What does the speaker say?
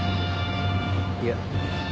いや。